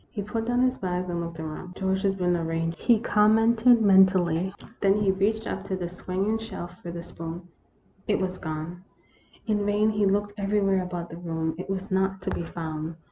He put down his bag, and looked about " George has been arranging things here," he commented, men tally ; then he reached up to the swinging shelf for the spoon. It was gone. In vain he looked everywhere about the room; it was not to be found.